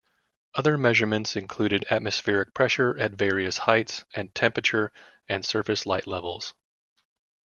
Other measurements included atmospheric pressure at various heights, and temperature, and surface light levels.